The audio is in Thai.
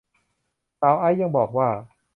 สาวไอซ์ยังบอกว่า